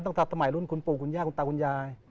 ตั้งแต่สมัยรุ่นคุณปู่คุณย่าคุณตาคุณยาย